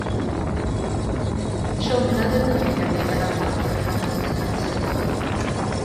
Y genre a ddefnyddir ganddi gan amlaf yw'r rhamant hanesyddol.